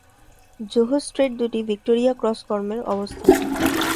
জোহর strait দুটি Victoria cross কর্মের অবস্থান।